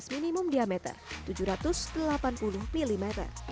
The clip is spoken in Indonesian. minimum diameter tujuh ratus delapan puluh mm